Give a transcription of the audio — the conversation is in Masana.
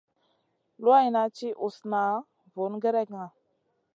Luwayna ti usna vun gerekna.